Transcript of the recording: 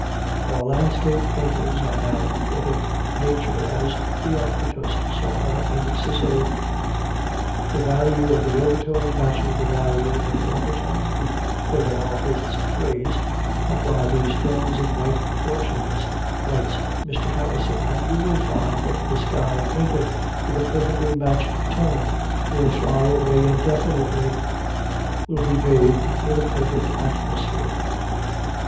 Our landscape painters are now reporting Nature as Theocritus saw her in Sicily; the value of the overtone matching the value of the under tone, to quote an artist's phrase, "apply these tones in right proportions," writes Mr. Harrison, "and you will find that the sky painted with the perfectly matched tone will fly away indefinitely, will be bathed in a perfect atmosphere."